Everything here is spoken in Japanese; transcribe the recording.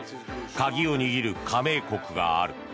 鍵を握る加盟国がある。